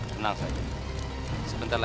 tenang saya akan membunuhnya